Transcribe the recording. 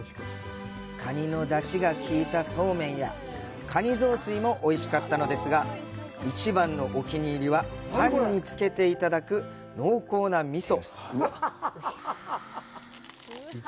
カニの出汁が効いたそうめんやカニ雑炊もおいしかったですが一番のお気に入りはパンにつけていただく濃厚な味噌。